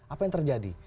apa yang terjadi